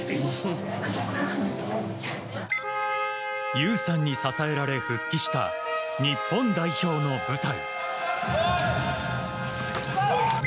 優さんに支えられ復帰した日本代表の舞台。